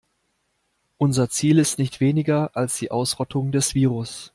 Unser Ziel ist nicht weniger als die Ausrottung des Virus.